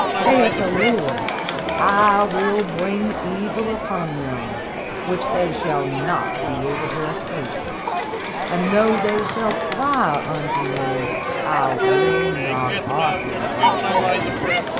Saith the Lord, 'I will bring evil upon them, which they shall not be able to escape; and though they shall cry unto Me, I will not hearken unto them.'"